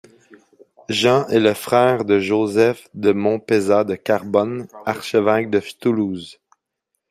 Jean est le frère de Joseph de Montpezat de Carbon, archevêque de Toulouse.